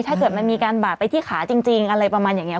ถ้าเกิดมันมีการบาดไปที่ขาจริงอะไรประมาณอย่างนี้